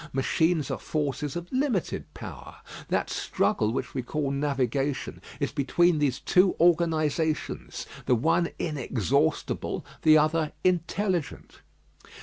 Machines are forces of limited power. That struggle which we call navigation is between these two organisations, the one inexhaustible, the other intelligent.